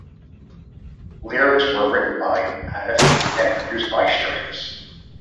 Lyrics were written by Atif and produced by Strings.